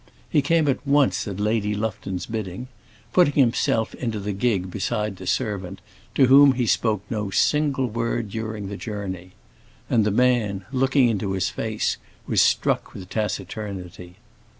He came at once at Lady Lufton's bidding, putting himself into the gig beside the servant, to whom he spoke no single word during the journey. And the man, looking into his face, was struck with taciturnity.